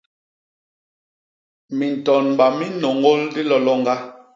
Mintonba mi nnôñôl diloloñga.